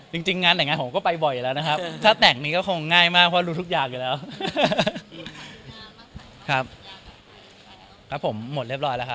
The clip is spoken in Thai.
คือเราซ้อมดูงานไว้หลายงานเรียบร้อยแล้วเนาะ